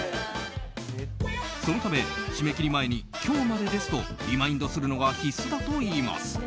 そのため、締め切り前に今日までですとリマインドするのが必須だといいます。